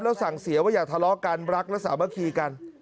แล้วสั่งเสียว่าอย่าทะเลาะกันรักและสามัคคีกัน